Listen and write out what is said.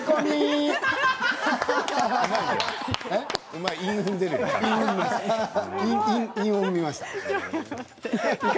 うまい！